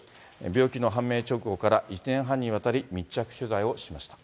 病気の判明直後から１年半にわたり、密着取材をしました。